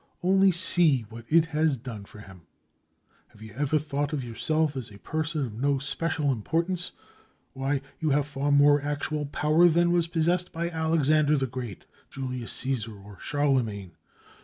Only see what it has done for him! Have you ever thought of yourself as a person of no special importance?—why, you have far more actual power than was possessed by Alexander the Great, Julius Caesar, or Charlemagne!